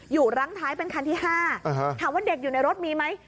รั้งท้ายเป็นคันที่๕ถามว่าเด็กอยู่ในรถมีไหม